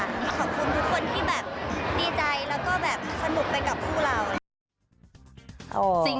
ขอบคุณทุกคนที่แบบดีใจแล้วก็แบบสนุกไปกับคู่เรา